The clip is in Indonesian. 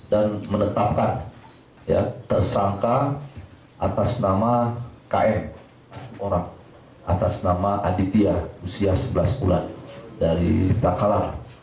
dan menetapkan tersangka atas nama km atas nama aditya usia sebelas bulan dari takalar